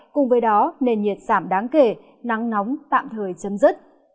cùng với đó nền nhiệt giảm đáng kể nắng nóng tạm thời chấm dứt